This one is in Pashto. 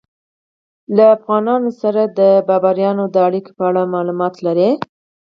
له افغانانو سره د بابریانو د اړیکو په اړه معلومات لرئ؟